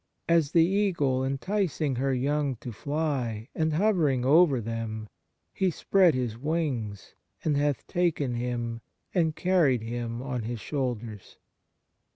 As the eagle enticing her young to fly, and hovering over them, He spread His wings, and hath taken him, and carried him on His shoulders.